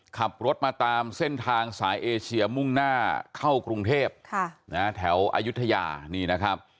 ขับรถมาตามเส้นทางสายเอเชียมุ่งหน้าเข้ากรุงเทพแถวอายุทยานี่นะครับ